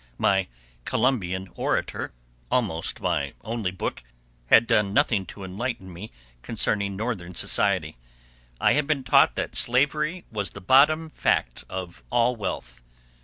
My "Columbian Orator," almost my only book, had done nothing to enlighten me concerning Northern society. I had been taught that slavery was the bottom fact of all wealth.